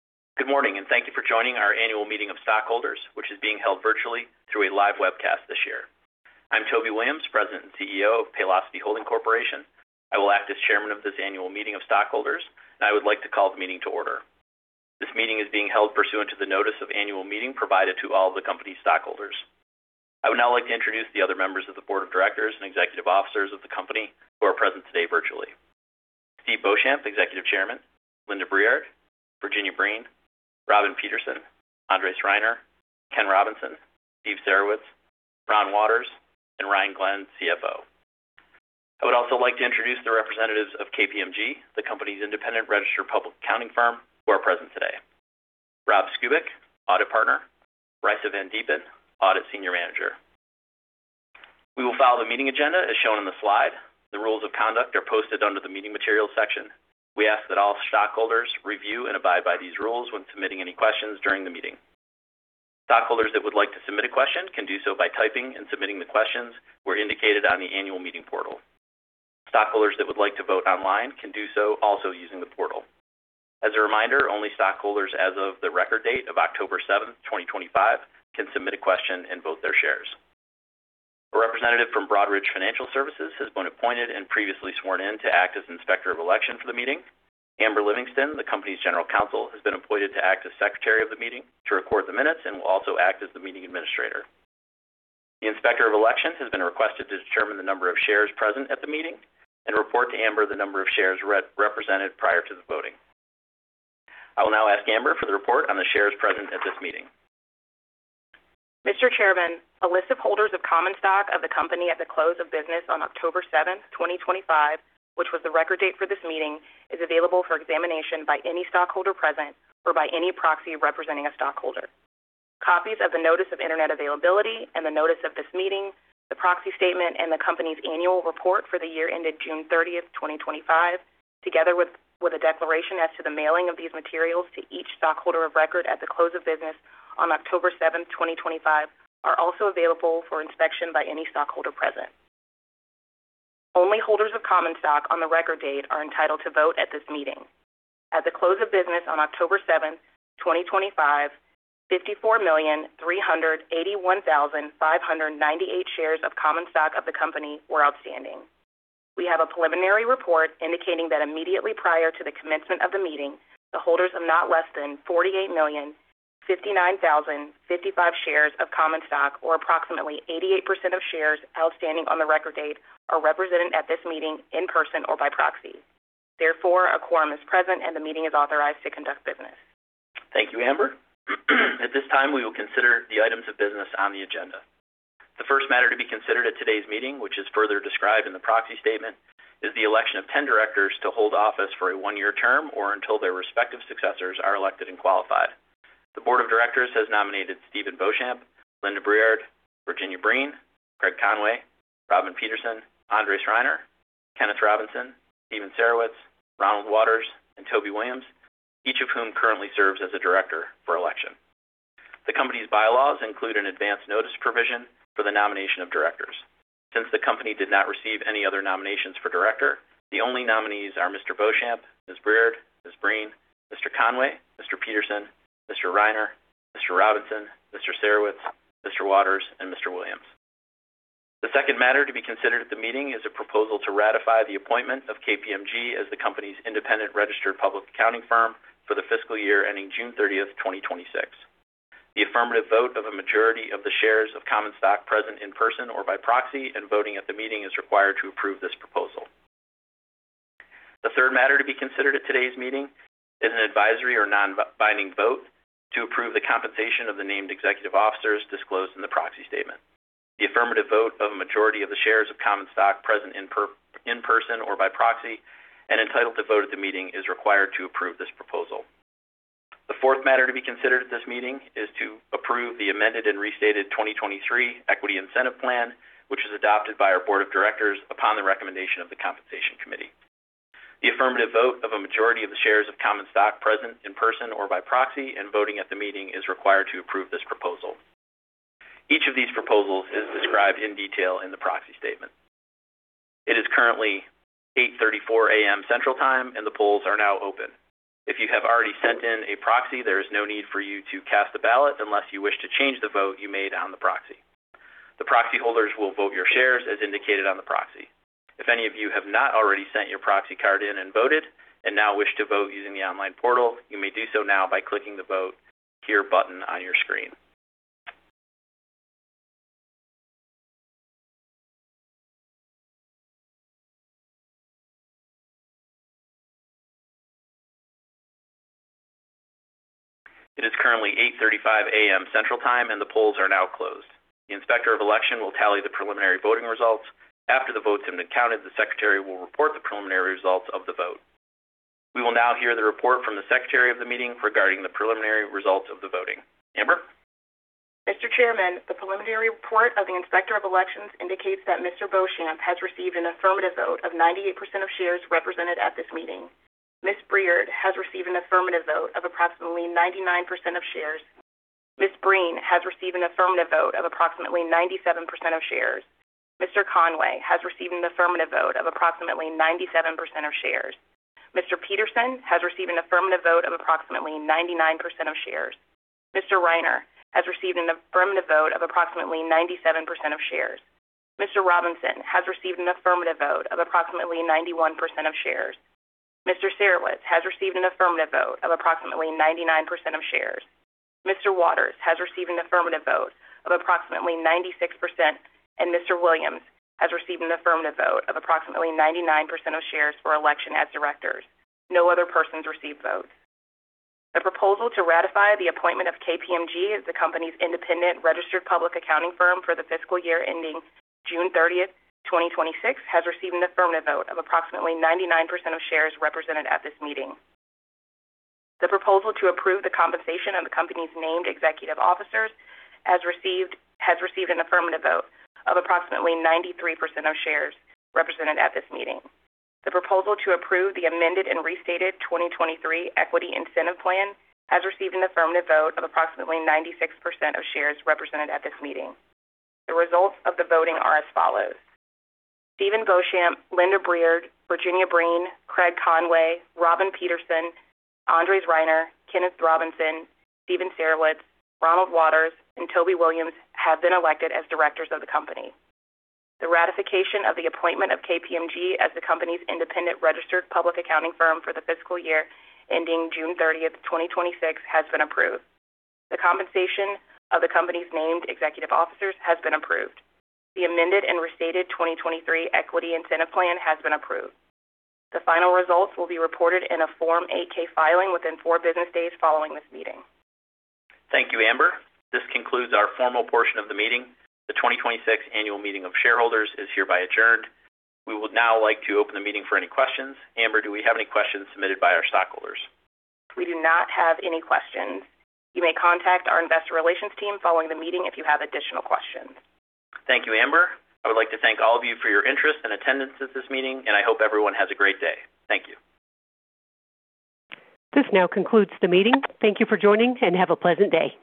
Good morning, and thank you for joining our Annual Meeting of Stockholders, which is being held virtually through a live webcast this year. I'm Toby Williams, President and CEO of Paylocity Holding Corporation. I will act as Chairman of this Annual Meeting of Stockholders, and I would like to call the meeting to order. This meeting is being held pursuant to the Notice of Annual Meeting provided to all of the company's stockholders. I would now like to introduce the other members of the Board of Directors and Executive Officers of the company who are present today virtually: Steve Beauchamp, Executive Chairman, Linda Breard, Virginia Breen, Robin Pederson, Andres Reiner, Ken Robinson, Steve Sarowitz, Ron Waters, and Ryan Glenn, CFO. I would also like to introduce the representatives of KPMG, the company's independent registered public accounting firm, who are present today: Rob Skubic, Audit Partner, and Raissa van Diepen, Audit Senior Manager. We will follow the meeting agenda as shown on the slide. The rules of conduct are posted under the Meeting Materials section. We ask that all stockholders review and abide by these rules when submitting any questions during the meeting. Stockholders that would like to submit a question can do so by typing and submitting the questions where indicated on the annual meeting portal. Stockholders that would like to vote online can do so also using the portal. As a reminder, only stockholders as of the record date of October 7, 2025, can submit a question and vote their shares. A representative from Broadridge Financial Services has been appointed and previously sworn in to act as Inspector of Election for the meeting. Amber Livingston, the company's General Counsel, has been appointed to act as Secretary of the meeting to record the minutes and will also act as the meeting administrator. The Inspector of Election has been requested to determine the number of shares present at the meeting and report to Amber the number of shares represented prior to the voting. I will now ask Amber for the report on the shares present at this meeting. Mr. Chairman, a list of holders of common stock of the company at the close of business on October 7, 2025, which was the record date for this meeting, is available for examination by any stockholder present or by any proxy representing a stockholder. Copies of the Notice of Internet Availability and the Notice of this Meeting, the Proxy Statement, and the company's annual report for the year ended June 30, 2025, together with a declaration as to the mailing of these materials to each stockholder of record at the close of business on October 7, 2025, are also available for inspection by any stockholder present. Only holders of common stock on the record date are entitled to vote at this meeting. At the close of business on October 7, 2025, 54,381,598 shares of common stock of the company were outstanding. We have a preliminary report indicating that immediately prior to the commencement of the meeting, the holders of not less than 48,059,055 shares of common stock, or approximately 88% of shares outstanding on the record date, are represented at this meeting in person or by proxy. Therefore, a quorum is present, and the meeting is authorized to conduct business. Thank you, Amber. At this time, we will consider the items of business on the agenda. The first matter to be considered at today's meeting, which is further described in the Proxy Statement, is the election of 10 directors to hold office for a one-year term or until their respective successors are elected and qualified. The Board of Directors has nominated Steven Beauchamp, Linda Breard, Virginia Breen, Craig Conway, Robin Pederson, Andres Reiner, Kenneth Robinson, Steven Sarowitz, Ronald Waters, and Toby Williams, each of whom currently serves as a director for election. The company's bylaws include an advance notice provision for the nomination of directors. Since the company did not receive any other nominations for director, the only nominees are Mr. Beauchamp, Ms. Breard, Ms. Breen, Mr. Conway, Mr. Pederson, Mr. Reiner, Mr. Robinson, Mr. Sarowitz, Mr. Waters, and Mr. Williams. The second matter to be considered at the meeting is a proposal to ratify the appointment of KPMG as the company's independent registered public accounting firm for the fiscal year ending June 30, 2026. The affirmative vote of a majority of the shares of common stock present in person or by proxy and voting at the meeting is required to approve this proposal. The third matter to be considered at today's meeting is an advisory or non-binding vote to approve the compensation of the named executive officers disclosed in the Proxy Statement. The affirmative vote of a majority of the shares of common stock present in person or by proxy and entitled to vote at the meeting is required to approve this proposal. The fourth matter to be considered at this meeting is to approve the amended and restated 2023 Equity Incentive Plan, which is adopted by our Board of Directors upon the recommendation of the Compensation Committee. The affirmative vote of a majority of the shares of common stock present in person or by proxy and voting at the meeting is required to approve this proposal. Each of these proposals is described in detail in the Proxy Statement. It is currently 8:34 A.M. Central Time, and the polls are now open. If you have already sent in a proxy, there is no need for you to cast a ballot unless you wish to change the vote you made on the proxy. The proxy holders will vote your shares as indicated on the proxy. If any of you have not already sent your proxy card in and voted and now wish to vote using the online portal, you may do so now by clicking the Vote Here button on your screen. It is currently 8:35 A.M. Central Time, and the polls are now closed. The Inspector of Election will tally the preliminary voting results. After the votes have been counted, the Secretary will report the preliminary results of the vote. We will now hear the report from the Secretary of the meeting regarding the preliminary results of the voting. Amber? Mr. Chairman, the preliminary report of the Inspector of Election indicates that Mr. Beauchamp has received an affirmative vote of 98% of shares represented at this meeting. Ms. Breard has received an affirmative vote of approximately 99% of shares. Ms. Breen has received an affirmative vote of approximately 97% of shares. Mr. Conway has received an affirmative vote of approximately 97% of shares. Mr. Pederson has received an affirmative vote of approximately 99% of shares. Mr. Reiner has received an affirmative vote of approximately 97% of shares. Mr. Robinson has received an affirmative vote of approximately 91% of shares. Mr. Sarowitz has received an affirmative vote of approximately 99% of shares. Mr. Waters has received an affirmative vote of approximately 96%, and Mr. Williams has received an affirmative vote of approximately 99% of shares for election as directors. No other persons received votes. The proposal to ratify the appointment of KPMG as the company's independent registered public accounting firm for the fiscal year ending June 30, 2026, has received an affirmative vote of approximately 99% of shares represented at this meeting. The proposal to approve the compensation of the company's named executive officers has received an affirmative vote of approximately 93% of shares represented at this meeting. The proposal to approve the amended and restated 2023 Equity Incentive Plan has received an affirmative vote of approximately 96% of shares represented at this meeting. The results of the voting are as follows: Steven Beauchamp, Linda Breard, Virginia Breen, Craig Conway, Robin Pederson, Andres Reiner, Kenneth Robinson, Steven Sarowitz, Ronald Waters, and Toby Williams have been elected as directors of the company. The ratification of the appointment of KPMG as the company's independent registered public accounting firm for the fiscal year ending June 30, 2026, has been approved. The compensation of the company's named executive officers has been approved. The amended and restated 2023 Equity Incentive Plan has been approved. The final results will be reported in a Form 8-K filing within four business days following this meeting. Thank you, Amber. This concludes our formal portion of the meeting. The 2026 Annual Meeting of Shareholders is hereby adjourned. We would now like to open the meeting for any questions. Amber, do we have any questions submitted by our stockholders? We do not have any questions. You may contact our Investor Relations team following the meeting if you have additional questions. Thank you, Amber. I would like to thank all of you for your interest and attendance at this meeting, and I hope everyone has a great day. Thank you. This now concludes the meeting. Thank you for joining, and have a pleasant day.